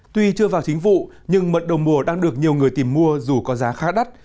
tuy chưa vào chính vụ nhưng mận đồng mùa đang được nhiều người tìm mua dù có giá khá đắt